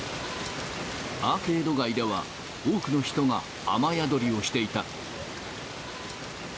アーケード街では多くの人が雨宿りをしていた。